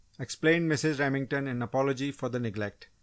explained Mrs. Remington, in apology for the neglect.